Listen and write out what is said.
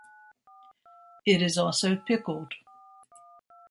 It is also pickled.